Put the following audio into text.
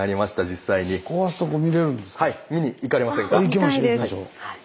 行きましょう行きましょう。